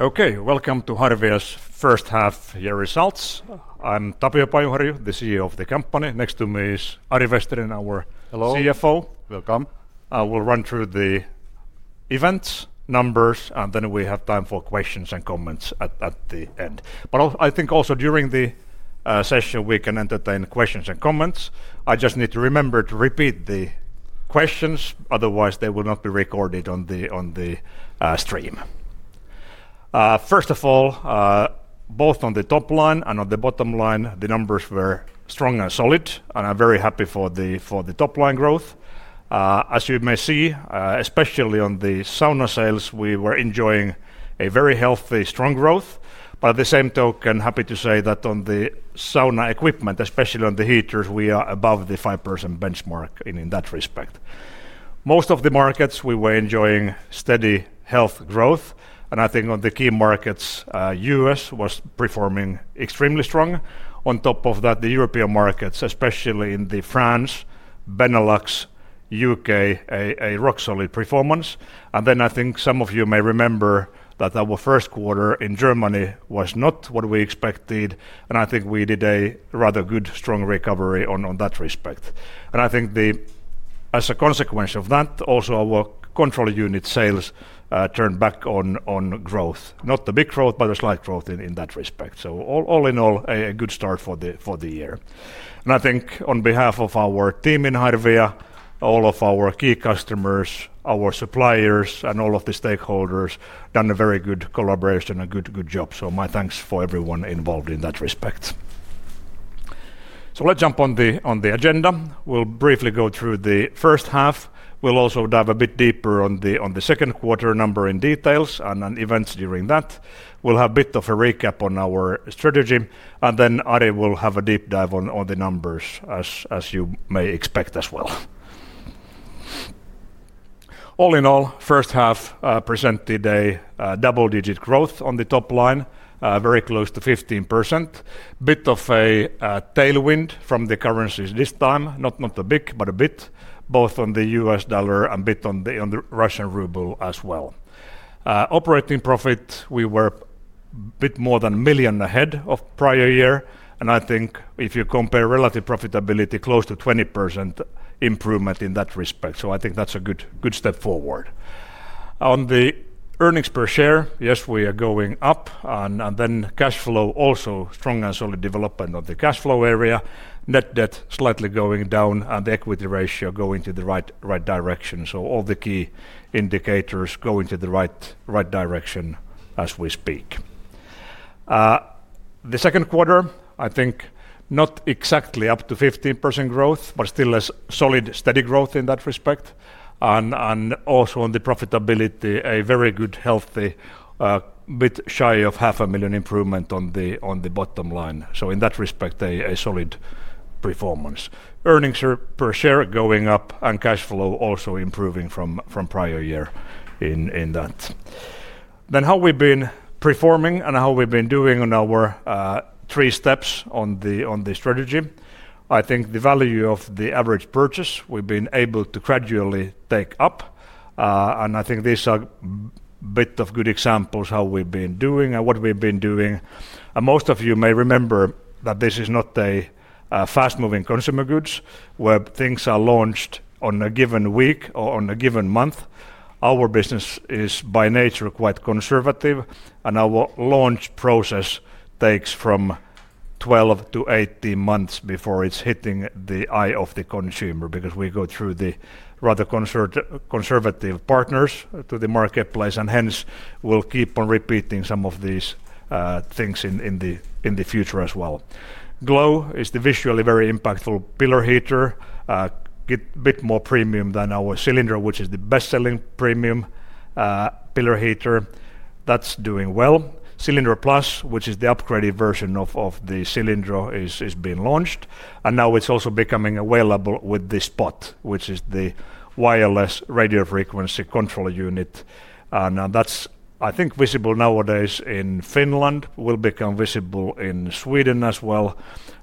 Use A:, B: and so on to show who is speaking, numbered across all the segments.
A: Okay, welcome to Harvia's first half-year results. I'm Tapio Pajuharju, the CEO of the company. Next to me is Ari Vesterinen, our CFO.
B: Hello, welcome.
A: I will run through the events, numbers, and then we have time for questions and comments at the end. I think also during the session we can entertain questions and comments. I just need to remember to repeat the questions, otherwise they will not be recorded on the stream. First of all, both on the top line and on the bottom line, the numbers were strong and solid, and I'm very happy for the top line growth. As you may see, especially on the sauna sales, we were enjoying a very healthy, strong growth. At the same token, I'm happy to say that on the sauna equipment, especially on the heaters, we are above the 5% benchmark in that respect. Most of the markets, we were enjoying steady health growth, and I think on the key markets, the U.S. was performing extremely strong. On top of that, the European markets, especially in France, Benelux, U.K., a rock-solid performance. I think some of you may remember that our first quarter in Germany was not what we expected, and I think we did a rather good, strong recovery on that respect. I think as a consequence of that, also our control unit sales turned back on growth. Not the big growth, but a slight growth in that respect. All in all, a good start for the year. I think on behalf of our team in Harvia, all of our key customers, our suppliers, and all of the stakeholders done a very good collaboration and good job. My thanks for everyone involved in that respect. Let's jump on the agenda. We'll briefly go through the first half. We'll also dive a bit deeper on the second quarter number in details and events during that. We'll have a bit of a recap on our strategy, and then Ari will have a deep dive on the numbers, as you may expect as well. All in all, first half presented a double-digit growth on the top line, very close to 15%. A bit of a tailwind from the currencies this time, not a big, but a bit, both on the U.S. dollar and a bit on the Russian ruble as well. Operating profit, we were a bit more than a million ahead of the prior year, and I think if you compare relative profitability, close to 20% improvement in that respect. I think that's a good step forward. On the earnings per share, yes, we are going up, and then cash flow also strong and solid development of the cash flow area. Net debt slightly going down, and the equity ratio going to the right direction. All the key indicators going to the right direction as we speak. The second quarter, I think not exactly up to 15% growth, but still a solid, steady growth in that respect. Also on the profitability, a very good, healthy, a bit shy of $500,000 improvement on the bottom line. In that respect, a solid performance. Earnings per share going up, and cash flow also improving from prior year in that. How we've been performing and how we've been doing on our three steps on the strategy. I think the value of the average purchase, we've been able to gradually take up, and I think these are a bit of good examples of how we've been doing and what we've been doing. Most of you may remember that this is not a fast-moving consumer goods where things are launched on a given week or on a given month. Our business is by nature quite conservative, and our launch process takes from 12-18 months before it's hitting the eye of the consumer because we go through the rather conservative partners to the marketplace, and hence we'll keep on repeating some of these things in the future as well. Glow is the visually very impactful pillar heater, a bit more premium than our Cylindro, which is the best-selling premium pillar heater. That's doing well. Cylindro Plus, which is the upgraded version of the Cylindro, is being launched, and now it's also becoming available with the Spot, which is the wireless radio frequency control unit. I think that's visible nowadays in Finland, will become visible in Sweden as well.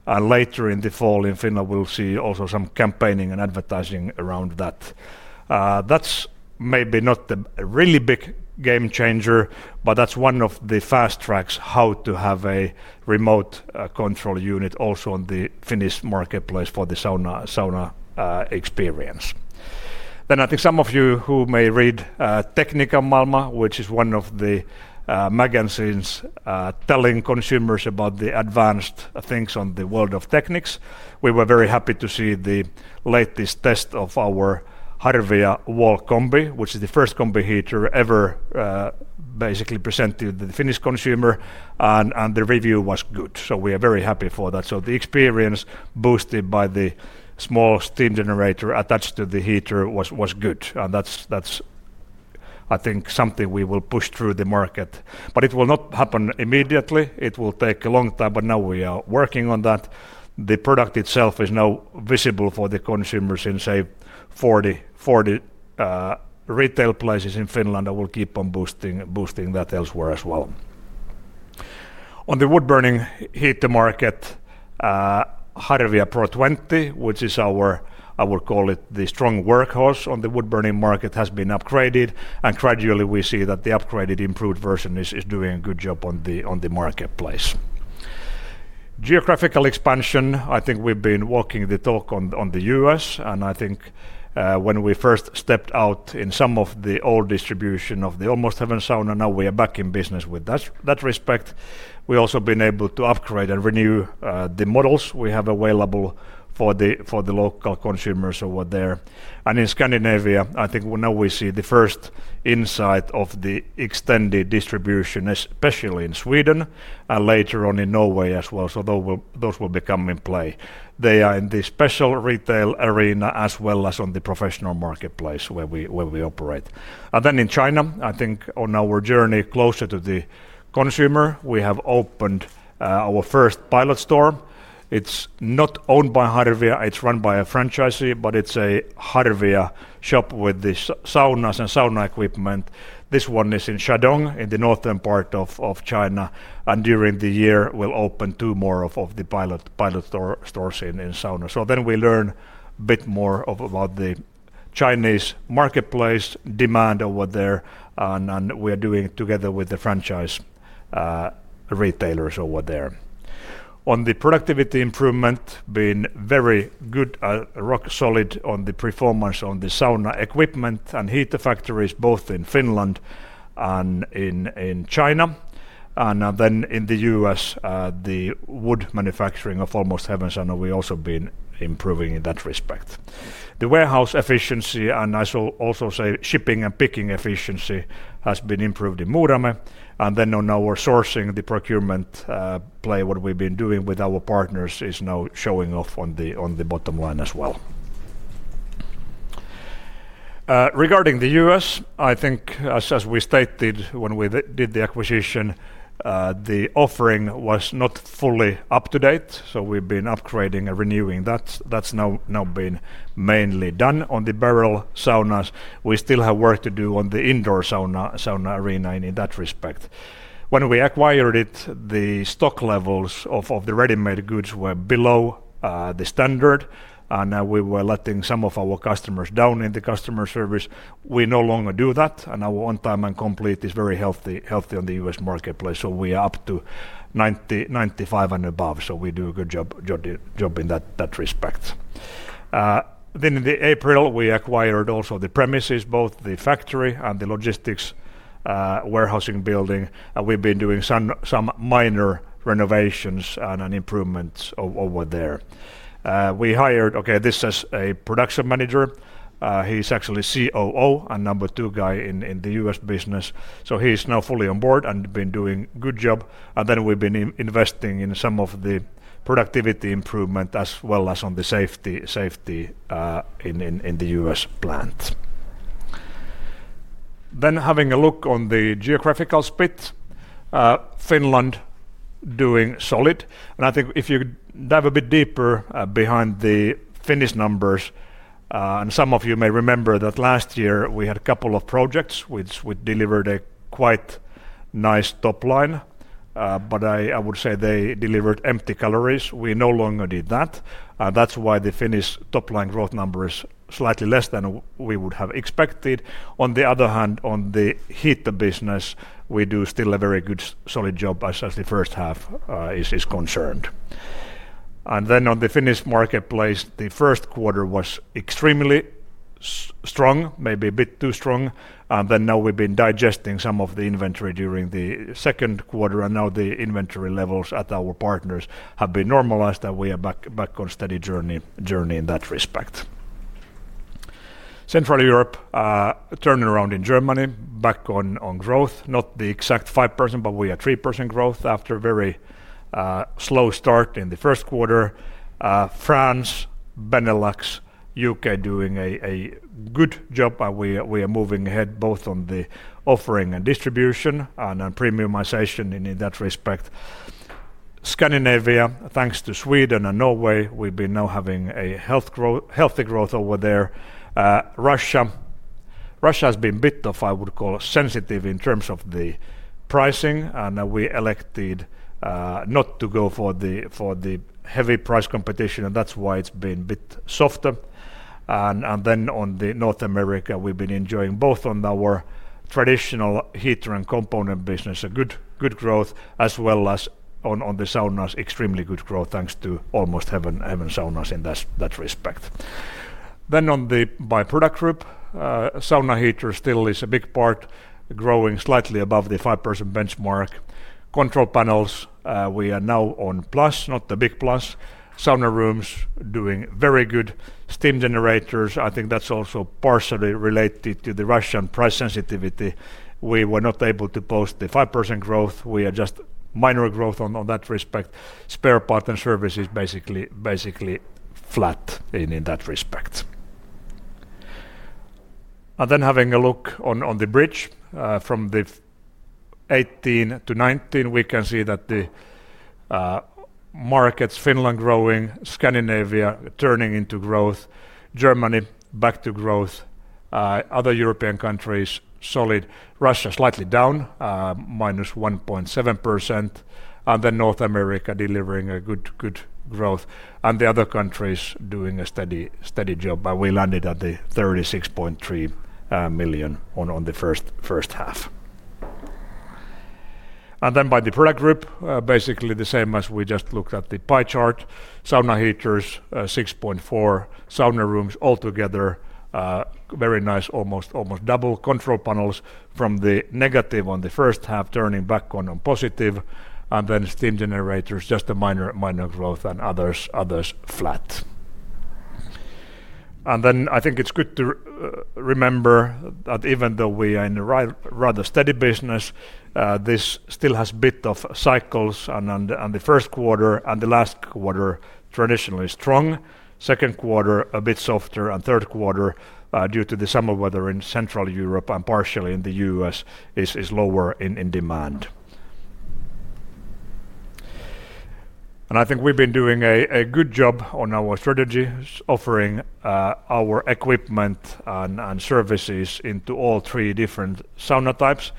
A: Later in the fall in Finland, we'll see also some campaigning and advertising around that. That's maybe not a really big game changer, but that's one of the fast tracks how to have a remote control unit also on the Finnish marketplace for the sauna experience. I think some of you who may read Tekniikan Maailma, which is one of the magazines telling consumers about the advanced things on the world of techniques. We were very happy to see the latest test of our Harvia Wall Combi, which is the first combi heater ever basically presented to the Finnish consumer, and the review was good. We are very happy for that. The experience boosted by the small steam generator attached to the heater was good, and that's, I think, something we will push through the market. It will not happen immediately. It will take a long time, but now we are working on that. The product itself is now visible for the consumers in, say, 40 retail places in Finland, and we'll keep on boosting that elsewhere as well. On the wood burning heater market, Harvia Pro 20, which is our, I would call it the strong workhorse on the wood burning market, has been upgraded, and gradually we see that the upgraded, improved version is doing a good job on the marketplace. Geographical expansion, I think we've been walking the talk on the US, and I think when we first stepped out in some of the old distribution of the Almost Heaven Saunas, now we are back in business with that respect. We've also been able to upgrade and renew the models we have available for the local consumers over there. In Scandinavia, I think now we see the first insight of the extended distribution, especially in Sweden and later on in Norway as well, so those will become in play. They are in the special retail arena as well as on the professional marketplace where we operate. In China, I think on our journey closer to the consumer, we have opened our first pilot store. It's not owned by Harvia, it's run by a franchisee, but it's a Harvia shop with the saunas and sauna equipment. This one is in Shandong, in the northern part of China, and during the year, we'll open two more of the pilot stores in saunas. We learn a bit more about the Chinese marketplace demand over there, and we are doing it together with the franchise retailers over there. On the productivity improvement, been very good, rock solid on the performance on the sauna equipment and heater factories, both in Finland and in China. In the U.S., the wood manufacturing of Almost Heaven Saunas, we've also been improving in that respect. The warehouse efficiency, and I shall also say shipping and picking efficiency, has been improved in Muurame. On our sourcing, the procurement play, what we've been doing with our partners is now showing off on the bottom line as well. Regarding the U.S., I think as we stated when we did the acquisition, the offering was not fully up to date, so we've been upgrading and renewing that. That's now been mainly done on the barrel saunas. We still have work to do on the indoor sauna arena in that respect. When we acquired it, the stock levels of the ready-made goods were below the standard, and we were letting some of our customers down in the customer service. We no longer do that, and our on-time and complete is very healthy on the U.S. marketplace, so we are up to 95% and above, so we do a good job in that respect. In April, we acquired also the premises, both the factory and the logistics warehousing building, and we've been doing some minor renovations and improvements over there. We hired, okay, this is a Production Manager. He's actually COO and number two guy in the U.S. business, so he's now fully on board and been doing a good job. We have been investing in some of the productivity improvement as well as on the safety in the U.S. plant. Having a look on the geographical split, Finland doing solid. I think if you dive a bit deeper behind the Finnish numbers, and some of you may remember that last year we had a couple of projects which delivered a quite nice top line, but I would say they delivered empty calories. We no longer did that. That is why the Finnish top line growth number is slightly less than we would have expected. On the other hand, on the heater business, we do still a very good, solid job as the first half is concerned. On the Finnish marketplace, the first quarter was extremely strong, maybe a bit too strong, and now we have been digesting some of the inventory during the second quarter, and now the inventory levels at our partners have been normalized, and we are back on steady journey in that respect. Central Europe, turnaround in Germany, back on growth, not the exact 5%, but we are 3% growth after a very slow start in the first quarter. France, Benelux, U.K. doing a good job, and we are moving ahead both on the offering and distribution and premiumization in that respect. Scandinavia, thanks to Sweden and Norway, we've been now having a healthy growth over there. Russia, Russia has been a bit of, I would call, sensitive in terms of the pricing, and we elected not to go for the heavy price competition, and that's why it's been a bit softer. On North America, we've been enjoying both on our traditional heater and component business, a good growth, as well as on the saunas, extremely good growth thanks to Almost Heaven Saunas in that respect. On the by-product group, sauna heater still is a big part, growing slightly above the 5% benchmark. Control panels, we are now on plus, not the big plus. Sauna rooms doing very good. Steam generators, I think that's also partially related to the Russian price sensitivity. We were not able to post the 5% growth. We are just minor growth on that respect. Spare part and services basically flat in that respect. Having a look on the bridge from 2018 to 2019, we can see that the markets, Finland growing, Scandinavia turning into growth, Germany back to growth, other European countries solid. Russia slightly down, minus 1.7%, North America delivering a good growth, and the other countries doing a steady job, and we landed at 36.3 million on the first half. By the product group, basically the same as we just looked at the pie chart. Sauna heaters, 6.4, sauna rooms altogether, very nice, almost double. Control panels from the negative on the first half turning back on positive, and then steam generators, just a minor growth, and others flat. I think it's good to remember that even though we are in a rather steady business, this still has a bit of cycles, and the first quarter and the last quarter traditionally strong, second quarter a bit softer, and third quarter due to the summer weather in Central Europe and partially in the U.S. is lower in demand. I think we've been doing a good job on our strategy, offering our equipment and services into all three different sauna types.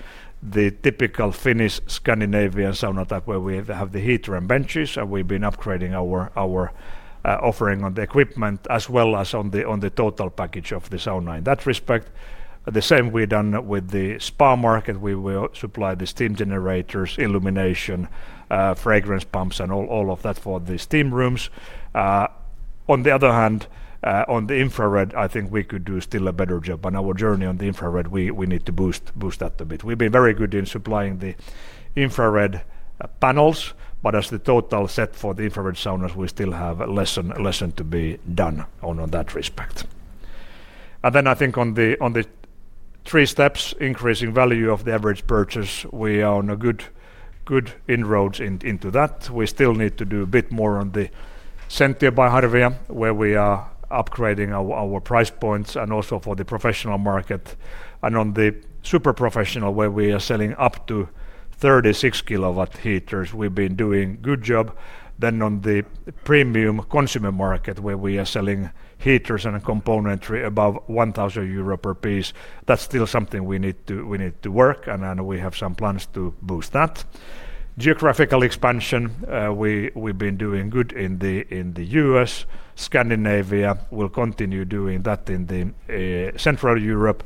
A: The typical Finnish-Scandinavian sauna type where we have the heater and benches, and we've been upgrading our offering on the equipment as well as on the total package of the sauna in that respect. The same we've done with the spa market. We will supply the steam generators, illumination, fragrance pumps, and all of that for the steam rooms. On the other hand, on the infrared, I think we could do still a better job, and our journey on the infrared, we need to boost that a bit. We've been very good in supplying the infrared panels, but as the total set for the infrared saunas, we still have lesson to be done on that respect. I think on the three steps, increasing value of the average purchase, we are on a good inroads into that. We still need to do a bit more on the Sentio by Harvia, where we are upgrading our price points and also for the professional market, and on the super professional, where we are selling up to 36 kilowatt heaters. We've been doing a good job. Then on the premium consumer market, where we are selling heaters and componentry above 1,000 euro per piece, that's still something we need to work, and we have some plans to boost that. Geographical expansion, we've been doing good in the U.S. Scandinavia, we'll continue doing that in Central Europe.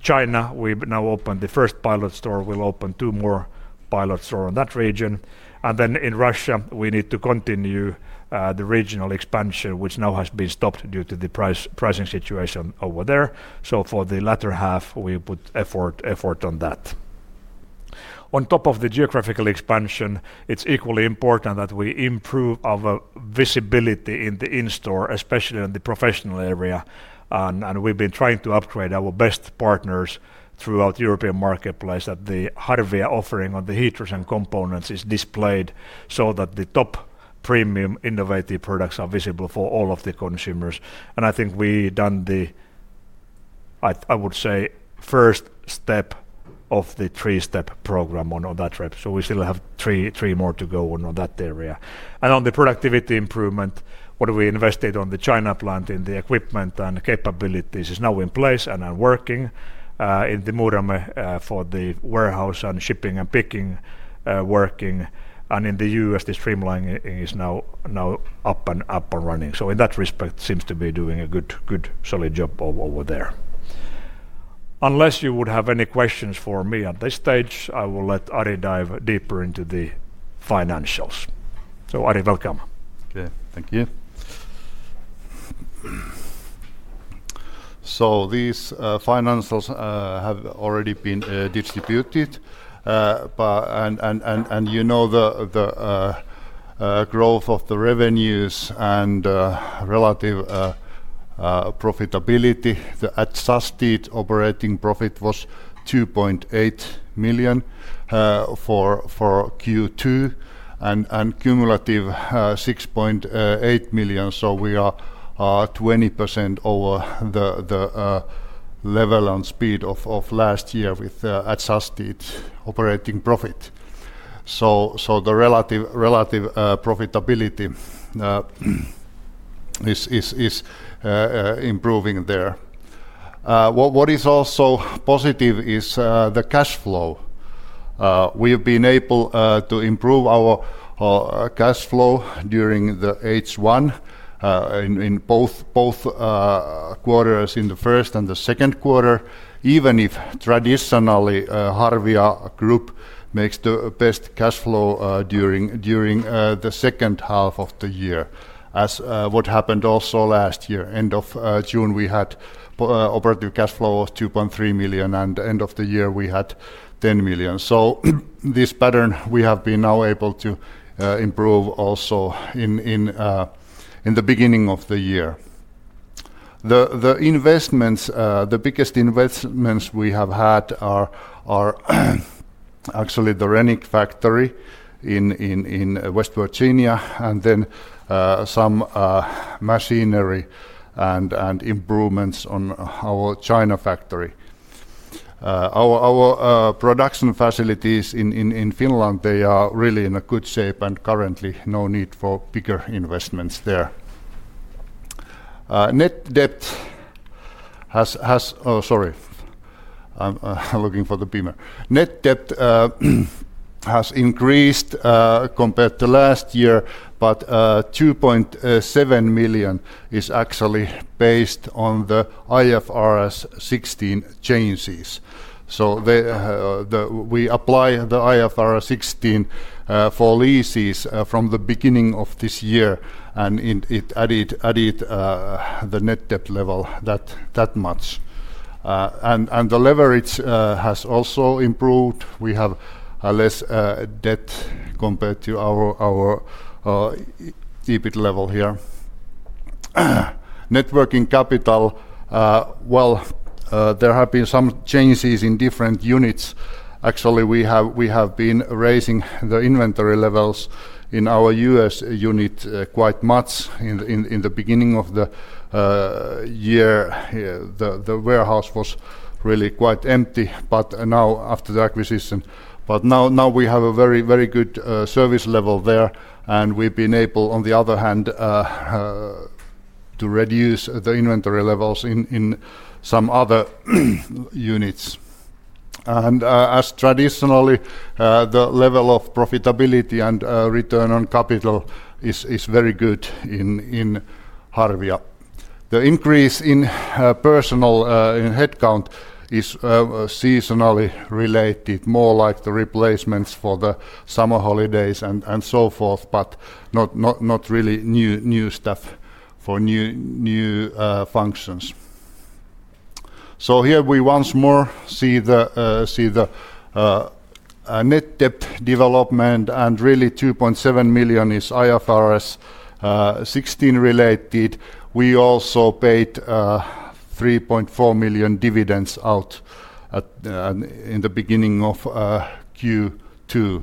A: China, we've now opened the first pilot store. We'll open two more pilot stores in that region. In Russia, we need to continue the regional expansion, which now has been stopped due to the pricing situation over there. For the latter half, we put effort on that. On top of the geographical expansion, it's equally important that we improve our visibility in the in-store, especially in the professional area, and we've been trying to upgrade our best partners throughout the European marketplace that the Harvia offering on the heaters and components is displayed so that the top premium innovative products are visible for all of the consumers. I think we've done the, I would say, first step of the three-step program on that rep. We still have three more to go on that area. On the productivity improvement, what we invested on the China plant in the equipment and capabilities is now in place and working. In the Muurame, for the warehouse and shipping and picking, working. In the U.S., the streamlining is now up and running. In that respect, seems to be doing a good, solid job over there. Unless you would have any questions for me at this stage, I will let Ari dive deeper into the financials. So Ari, welcome.
B: Yeah, thank you. These financials have already been distributed, and you know the growth of the revenues and relative profitability. The adjusted operating profit was 2.8 million for Q2 and cumulative 6.8 million, so we are 20% over the level and speed of last year with adjusted operating profit. The relative profitability is improving there. What is also positive is the cash flow. We've been able to improve our cash flow during the H1 in both quarters, in the first and the second quarter, even if traditionally Harvia Group makes the best cash flow during the second half of the year. As what happened also last year, end of June, we had operative cash flow of 2.3 million, and end of the year, we had 10 million. This pattern, we have been now able to improve also in the beginning of the year. The investments, the biggest investments we have had are actually the Renick factory in West Virginia, and then some machinery and improvements on our China factory. Our production facilities in Finland, they are really in a good shape and currently no need for bigger investments there. Net debt has, sorry, I'm looking for the beamer. Net debt has increased compared to last year, but 2.7 million is actually based on the IFRS 16 changes. We apply the IFRS 16 for leases from the beginning of this year, and it added the net debt level that much. The leverage has also improved. We have less debt compared to our EBIT level here. Networking capital, there have been some changes in different units. Actually, we have been raising the inventory levels in our U.S. unit quite much in the beginning of the year. The warehouse was really quite empty, but now after the acquisition, we have a very good service level there, and we've been able, on the other hand, to reduce the inventory levels in some other units. As traditionally, the level of profitability and return on capital is very good in Harvia. The increase in personal headcount is seasonally related, more like the replacements for the summer holidays and so forth, but not really new staff for new functions. Here we once more see the net debt development, and really 2.7 million is IFRS 16 related. We also paid 3.4 million dividends out in the beginning of Q2.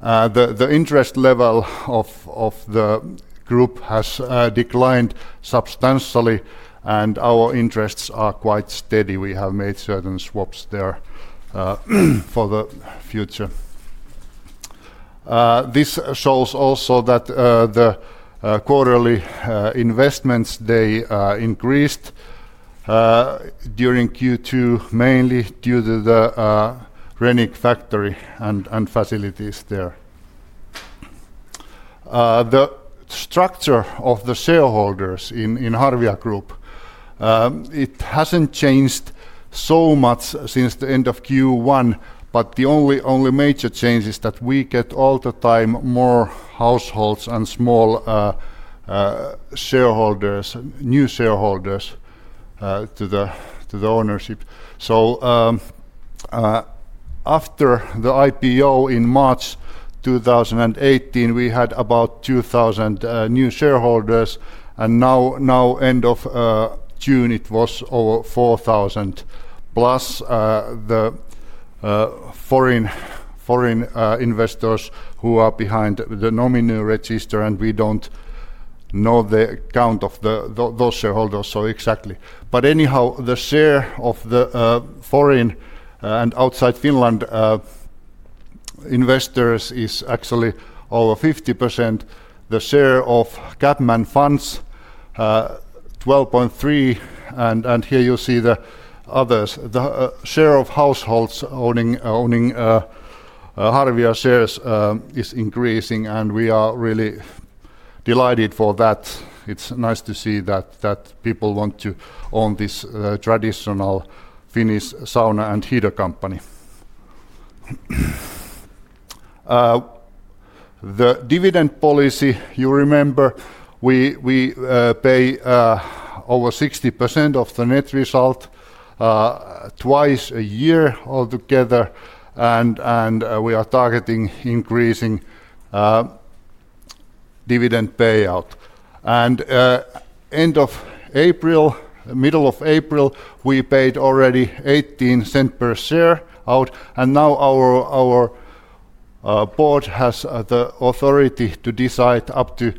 B: The interest level of the group has declined substantially, and our interests are quite steady. We have made certain swaps there for the future. This shows also that the quarterly investments, they increased during Q2, mainly due to the Renick factory and facilities there. The structure of the shareholders in Harvia Group, it hasn't changed so much since the end of Q1, but the only major change is that we get all the time more households and small shareholders, new shareholders to the ownership. After the IPO in March 2018, we had about 2,000 new shareholders, and now end of June, it was over 4,000 plus. The foreign investors who are behind the nominee register, and we don't know the count of those shareholders so exactly. Anyhow, the share of the foreign and outside Finland investors is actually over 50%. The share of CapMan Funds, 12.3%, and here you see the others. The share of households owning Harvia shares is increasing, and we are really delighted for that. It's nice to see that people want to own this traditional Finnish sauna and heater company. The dividend policy, you remember, we pay over 60% of the net result twice a year altogether, and we are targeting increasing dividend payout. At the end of April, middle of April, we paid already 0.18 per share out, and now our board has the authority to decide up to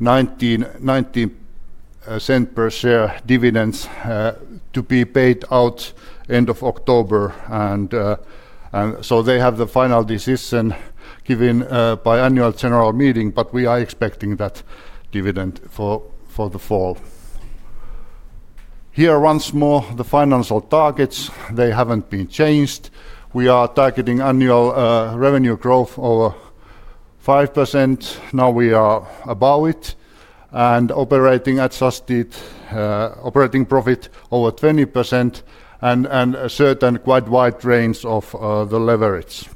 B: 0.19 per share dividends to be paid out at the end of October. They have the final decision given by annual general meeting, but we are expecting that dividend for the fall. Here once more, the financial targets, they haven't been changed. We are targeting annual revenue growth over 5%. Now we are above it and adjusted operating profit over 20% and a certain quite wide range of the leverage.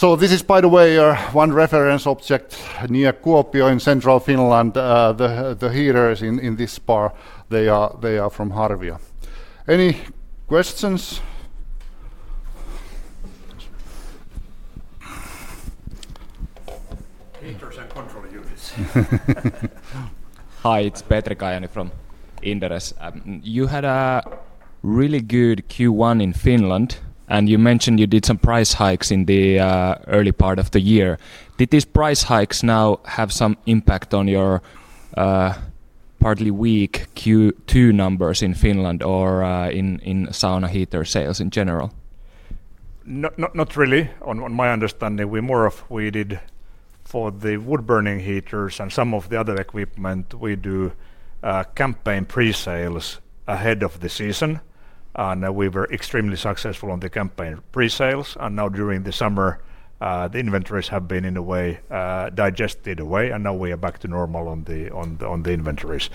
B: This is, by the way, one reference object near Kuopio in Central Finland. The heaters in this bar, they are from Harvia. Any questions?
C: Hi, it's Petri Kajaani from Inderes. You had a really good Q1 in Finland, and you mentioned you did some price hikes in the early part of the year. Did these price hikes now have some impact on your partly weak Q2 numbers in Finland or in sauna heater sales in general?
A: Not really, on my understanding. We did for the wood burning heaters and some of the other equipment, we do campaign pre-sales ahead of the season, and we were extremely successful on the campaign pre-sales. Now during the summer, the inventories have been in a way digested away, and now we are back to normal on the inventories.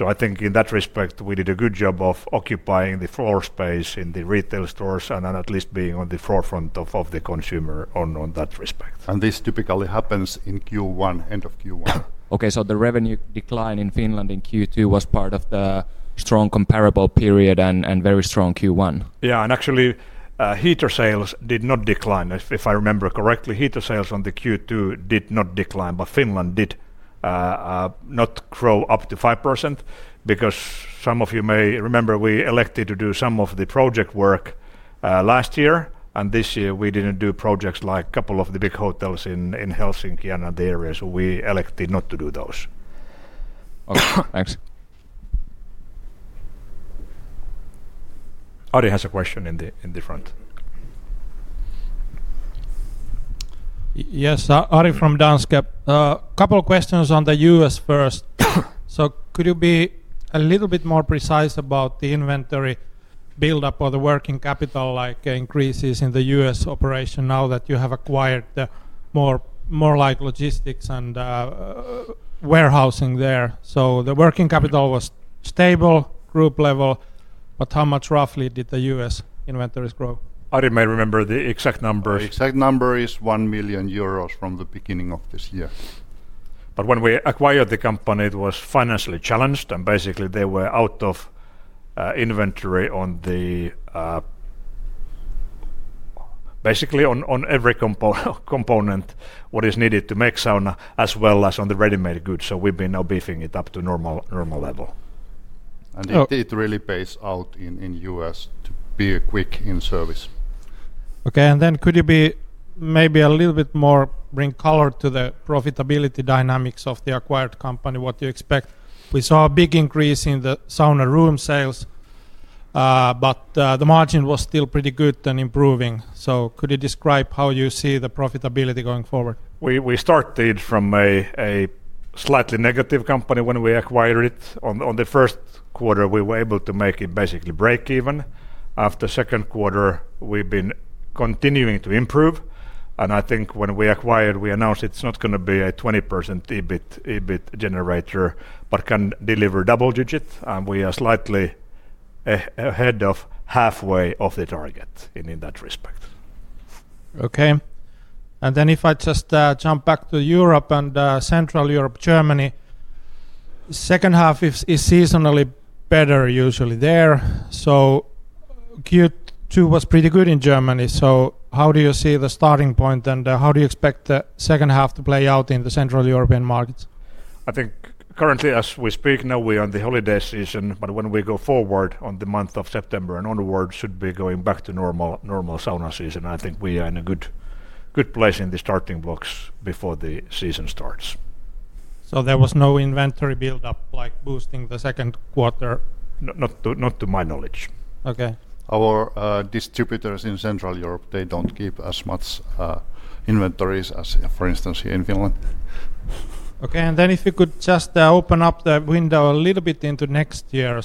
A: I think in that respect, we did a good job of occupying the floor space in the retail stores and at least being on the forefront of the consumer on that respect. This typically happens in Q1, end of Q1.
C: Okay, the revenue decline in Finland in Q2 was part of the strong comparable period and very strong Q1.
A: Yeah, and actually heater sales did not decline. If I remember correctly, heater sales on the Q2 did not decline, but Finland did not grow up to 5% because some of you may remember we elected to do some of the project work last year, and this year we did not do projects like a couple of the big hotels in Helsinki and the area, so we elected not to do those.
C: Thanks.
A: Ari has a question in the front.
D: Yes, Ari from Danske. A couple of questions on the U.S. first. Could you be a little bit more precise about the inventory buildup or the working capital like increases in the U.S. operation now that you have acquired more like logistics and warehousing there? The working capital was stable, group level, but how much roughly did the U.S. inventories grow?
A: Ari may remember the exact number.
B: The exact number is 1 million euros from the beginning of this year.
A: When we acquired the company, it was financially challenged, and basically they were out of inventory on basically every component what is needed to make sauna as well as on the ready-made goods. We have been now beefing it up to normal level. It really pays out in the U.S. to be quick in service.
D: Okay, could you maybe bring a little bit more color to the profitability dynamics of the acquired company, what you expect? We saw a big increase in the sauna room sales, but the margin was still pretty good and improving. Could you describe how you see the profitability going forward?
A: We started from a slightly negative company when we acquired it. On the first quarter, we were able to make it basically break even. After second quarter, we've been continuing to improve. I think when we acquired, we announced it's not going to be a 20% EBIT generator, but can deliver double digits. We are slightly ahead of halfway of the target in that respect.
D: Okay, if I just jump back to Europe and Central Europe, Germany, second half is seasonally better usually there. Q2 was pretty good in Germany. How do you see the starting point and how do you expect the second half to play out in the Central European markets?
A: I think currently as we speak now, we are in the holiday season, but when we go forward on the month of September and onward, should be going back to normal sauna season. I think we are in a good place in the starting blocks before the season starts.
D: There was no inventory buildup like boosting the second quarter?
A: Not to my knowledge. Our distributors in Central Europe, they do not keep as much inventories as, for instance, here in Finland.
D: Okay, and then if you could just open up the window a little bit into next year,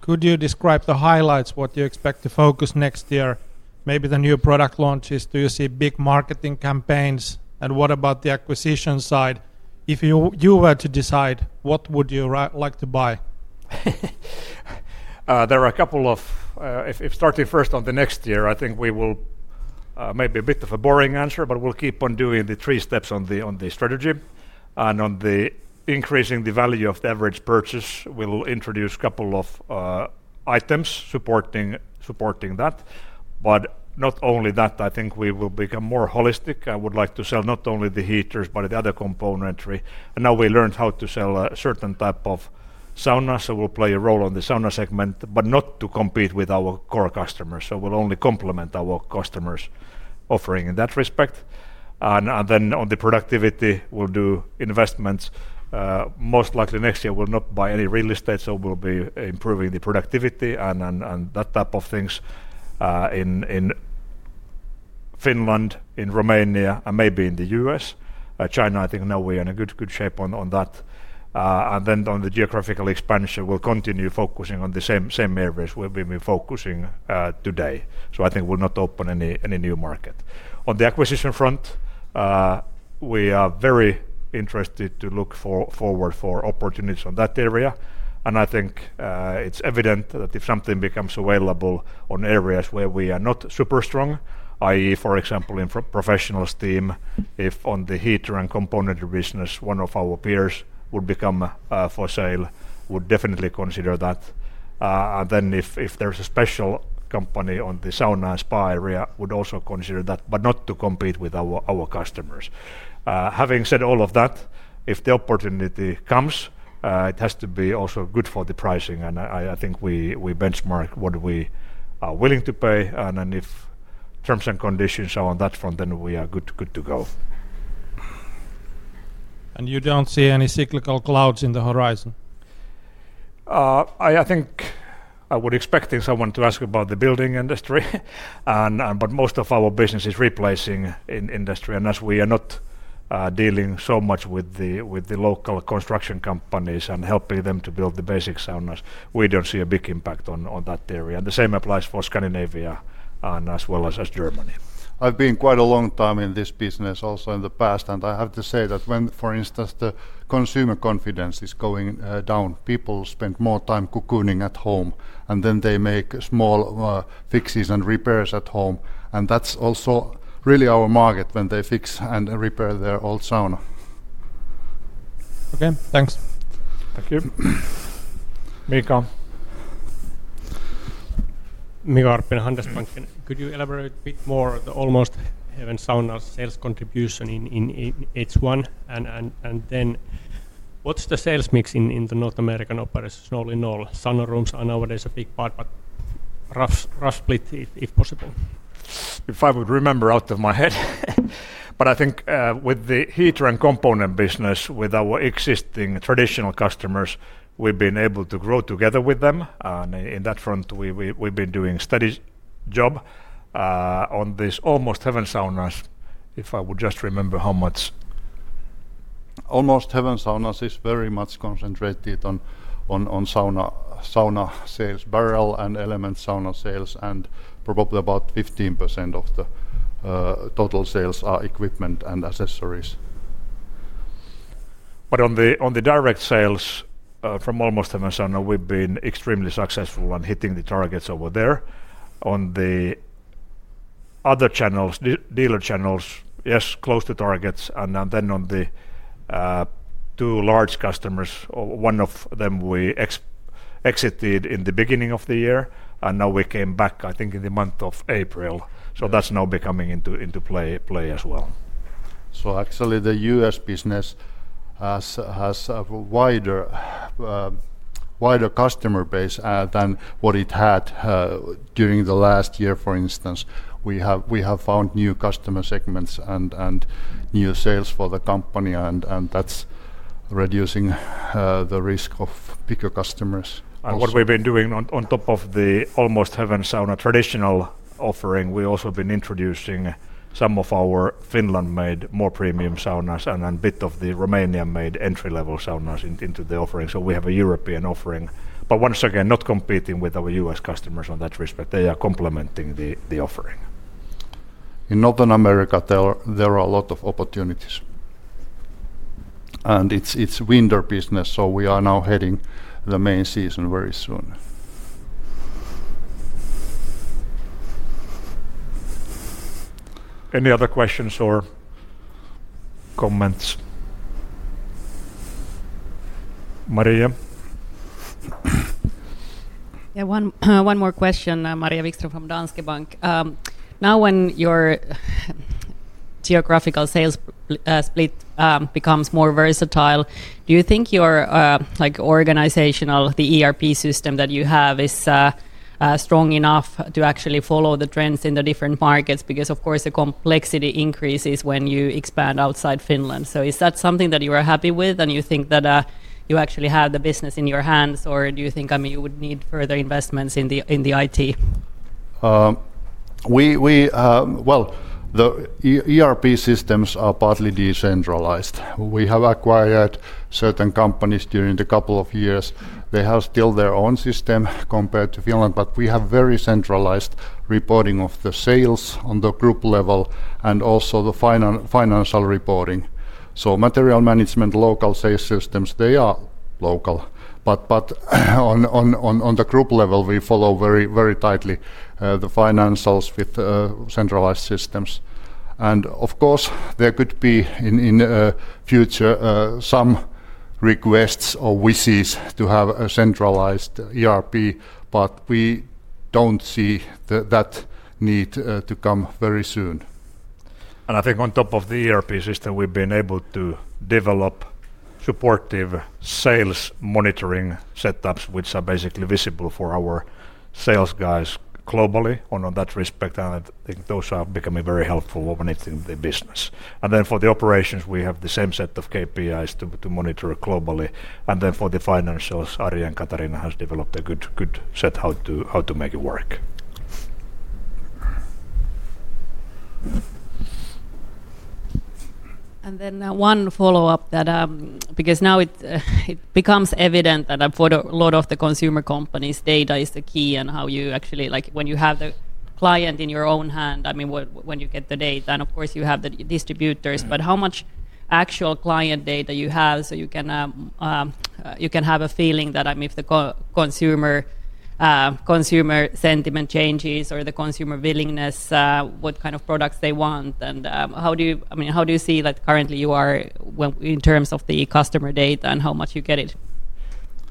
D: could you describe the highlights, what you expect to focus next year, maybe the new product launches, do you see big marketing campaigns, and what about the acquisition side? If you were to decide, what would you like to buy?
A: There are a couple of, if starting first on the next year, I think we will maybe a bit of a boring answer, but we will keep on doing the three steps on the strategy. And on the increasing the value of the average purchase, we will introduce a couple of items supporting that. Not only that, I think we will become more holistic. I would like to sell not only the heaters, but the other componentry. Now we learned how to sell a certain type of sauna, so we will play a role on the sauna segment, but not to compete with our core customers. We will only complement our customers' offering in that respect. On the productivity, we will do investments. Most likely next year, we will not buy any real estate, so we will be improving the productivity and that type of things in Finland, in Romania, and maybe in the U.S. China, I think now we are in a good shape on that. On the geographical expansion, we will continue focusing on the same areas we have been focusing today. I think we will not open any new market. On the acquisition front, we are very interested to look forward for opportunities on that area. I think it's evident that if something becomes available on areas where we are not super strong, i.e., for example, in professional steam, if on the heater and componentry business, one of our peers would become for sale, we would definitely consider that. If there's a special company on the sauna and spa area, we would also consider that, but not to compete with our customers. Having said all of that, if the opportunity comes, it has to be also good for the pricing. I think we benchmark what we are willing to pay. If terms and conditions are on that front, then we are good to go.
D: You don't see any cyclical clouds in the horizon?
A: I think I would expect someone to ask about the building industry, but most of our business is replacing industry. As we are not dealing so much with the local construction companies and helping them to build the basic saunas, we do not see a big impact on that area. The same applies for Scandinavia as well as Germany.
B: I have been quite a long time in this business also in the past, and I have to say that when, for instance, the consumer confidence is going down, people spend more time cocooning at home, and they make small fixes and repairs at home. That is also really our market when they fix and repair their old sauna.
D: Okay, thanks. Thank you.
E: Mika. Mika Karppinen, Handelsbanken. Could you elaborate a bit more on the Almost Heaven Saunas sales contribution in H1? What's the sales mix in the North American operations? [Snowy Knoll], sauna rooms are nowadays a big part, but rough split if possible.
A: If I would remember out of my head. I think with the heater and component business, with our existing traditional customers, we've been able to grow together with them. In that front, we've been doing a steady job on these Almost Heaven Saunas, if I would just remember how much. Almost Heaven Saunas is very much concentrated on sauna sales, barrel and element sauna sales, and probably about 15% of the total sales are equipment and accessories. On the direct sales from Almost Heaven Saunas, we've been extremely successful and hitting the targets over there. On the other channels, dealer channels, yes, close to targets. On the two large customers, one of them we exited in the beginning of the year, and now we came back, I think, in the month of April. That is now becoming into play as well. Actually, the U.S. business has a wider customer base than what it had during the last year. For instance, we have found new customer segments and new sales for the company, and that is reducing the risk of bigger customers. What we have been doing on top of the Almost Heaven Saunas traditional offering, we have also been introducing some of our Finland-made more premium saunas and a bit of the Romanian-made entry-level saunas into the offering. We have a European offering. Once again, not competing with our U.S. customers in that respect. They are complementing the offering. In North America, there are a lot of opportunities. It is winter business, so we are now heading the main season very soon. Any other questions or comments? Maria.
F: Yeah, one more question, Maria Steffensen from Danske Bank. Now when your geographical sales split becomes more versatile, do you think your organizational, the ERP system that you have is strong enough to actually follow the trends in the different markets? Because of course, the complexity increases when you expand outside Finland. Is that something that you are happy with and you think that you actually have the business in your hands, or do you think you would need further investments in the IT?
A: The ERP systems are partly decentralized. We have acquired certain companies during the couple of years. They have still their own system compared to Finland, but we have very centralized reporting of the sales on the group level and also the financial reporting. Material management, local sales systems, they are local. On the group level, we follow very tightly the financials with centralized systems. Of course, there could be in the future some requests or wishes to have a centralized ERP, but we do not see that need to come very soon. I think on top of the ERP system, we have been able to develop supportive sales monitoring setups, which are basically visible for our sales guys globally in that respect. I think those are becoming very helpful when it is in the business. For the operations, we have the same set of KPIs to monitor globally. For the financials, Ari and Katarina have developed a good set how to make it work.
F: Then one follow-up that, because now it becomes evident that for a lot of the consumer companies, data is the key and how you actually, like when you have the client in your own hand, I mean when you get the data and of course you have the distributors, but how much actual client data you have so you can have a feeling that if the consumer sentiment changes or the consumer willingness, what kind of products they want. How do you see that currently you are in terms of the customer data and how much you get it?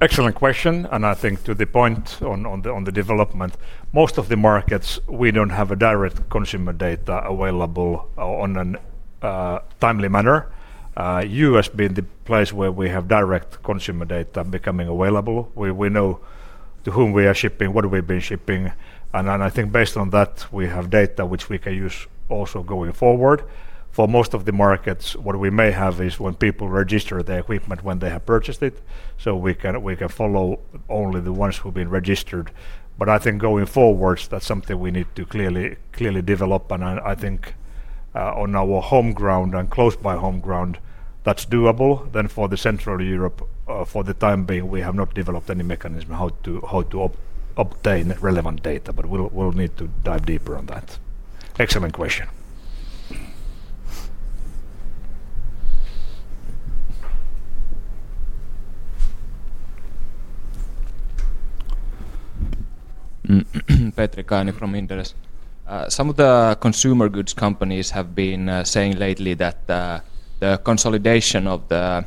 A: Excellent question. I think to the point on the development, most of the markets, we do not have direct consumer data available on a timely manner. U.S. being the place where we have direct consumer data becoming available. We know to whom we are shipping, what we've been shipping. I think based on that, we have data which we can use also going forward. For most of the markets, what we may have is when people register their equipment when they have purchased it. We can follow only the ones who've been registered. I think going forward, that's something we need to clearly develop. I think on our home ground and close by home ground, that's doable. For Central Europe, for the time being, we have not developed any mechanism how to obtain relevant data, but we'll need to dive deeper on that. Excellent question.
C: Petri Kajaani from Inderes. Some of the consumer goods companies have been saying lately that the consolidation of the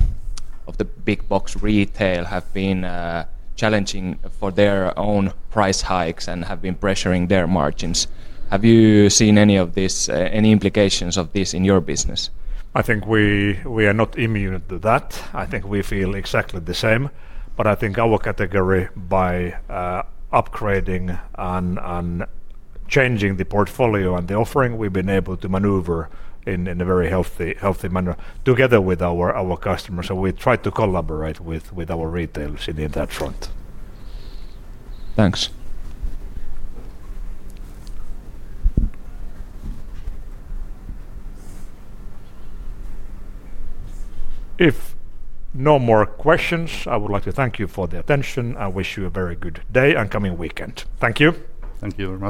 C: big box retail has been challenging for their own price hikes and have been pressuring their margins. Have you seen any of this, any implications of this in your business?
A: I think we are not immune to that. I think we feel exactly the same. I think our category by upgrading and changing the portfolio and the offering, we've been able to maneuver in a very healthy manner together with our customers. We try to collaborate with our retailers in that front. Thanks. If no more questions, I would like to thank you for the attention and wish you a very good day and coming weekend. Thank you.
B: Thank you.